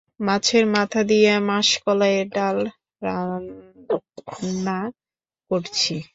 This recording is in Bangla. মাছের মাথা দিয়া মাষকালাইয়ের ডাল রানধা করছি।